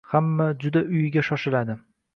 Hamma juda uyiga shoshiladi.